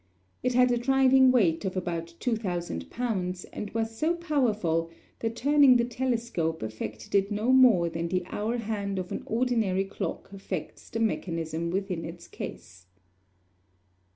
It had a driving weight of about 2,000 pounds, and was so powerful that turning the telescope affected it no more than the hour hand of an ordinary clock affects the mechanism within its case.